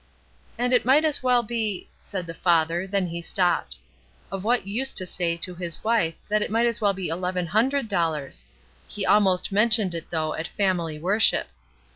''And it might as well be —*' said the father, then he stopped. Of what use to say to his wife that it might as well be eleven hundred dollars ? He almost mentioned it though at family worship.